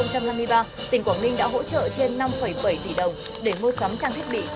năm hai nghìn hai mươi ba tỉnh quảng ninh đã hỗ trợ trên năm bảy tỷ đồng để mua sắm trang thiết bị